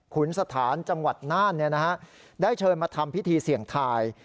ขุนสถานจังหวัดน่านได้เชิญมาทำพิธีเสี่ยงทาย